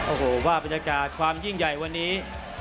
โอ้โหว่าบรรยากาศความยิ่งใหญ่วันนี้